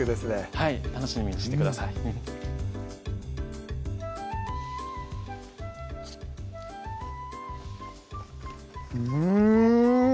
はい楽しみにしてくださいうん！